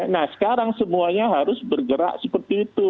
nah sekarang semuanya harus bergerak seperti itu